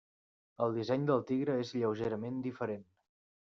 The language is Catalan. El disseny del tigre és lleugerament diferent.